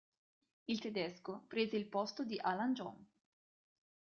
Il tedesco prese il posto di Alan Jones.